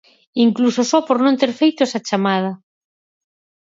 Incluso só por non ter feito esa chamada.